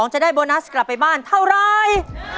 จะได้โบนัสกลับไปบ้านเท่าไร